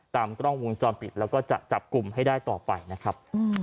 กล้องวงจรปิดแล้วก็จะจับกลุ่มให้ได้ต่อไปนะครับ